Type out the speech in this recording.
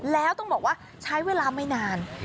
แล้วต้องบอกว่าใช้เวลาไม่นาน